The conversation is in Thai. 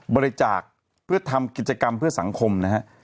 บริจาคเพื่อทำกิจกรรมเพื่อสังคมนะฮะ